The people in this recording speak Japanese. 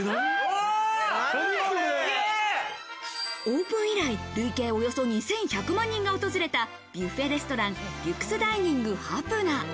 オープン以来、累計およそ２１００万人が訪れたビフェレストラン「リュクスダイニングハプナ」。